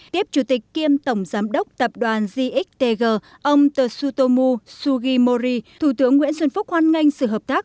tiếp chủ tịch kiêm tổng giám đốc tập đoàn gxtg ông theutomu sugimori thủ tướng nguyễn xuân phúc hoan nghênh sự hợp tác